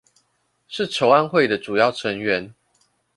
是籌安會的主要成員